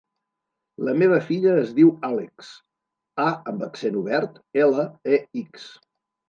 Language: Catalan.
La meva filla es diu Àlex: a amb accent obert, ela, e, ics.